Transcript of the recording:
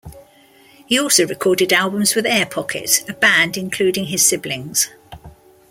He also recorded albums with Air Pocket, a band including his siblings.